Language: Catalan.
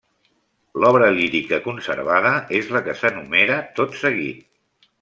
L'obra lírica conservada és la que s'enumera tot seguit.